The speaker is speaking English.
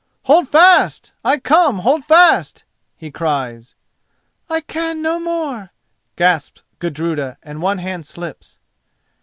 "Hold fast! I come; hold fast!" he cries. "I can no more," gasps Gudruda, and one hand slips.